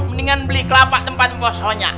mendingan beli kelapa tempat bosnya